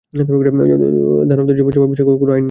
দানবদের জমিজমা বিষয়ক কোনো আইন নেই আসলে?